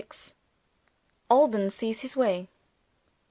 ALBAN SEES HIS WAY.